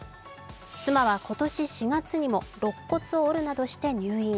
妻は今年４月にもろっ骨を折るなどして入院。